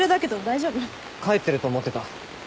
帰ってると思ってた。